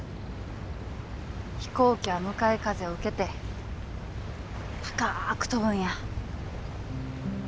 飛行機は向かい風を受けて高く飛ぶんや。